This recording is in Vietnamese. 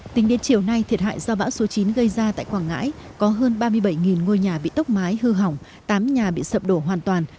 tính đến chiều nay thiệt hại do bão số chín gây ra tại quảng ngãi có hơn ba mươi bảy ngôi nhà bị tốc mái hư hỏng tám nhà bị sập đổ hoàn toàn